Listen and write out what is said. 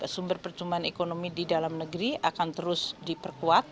sumber percumaan ekonomi di dalam negeri akan terus diperkuat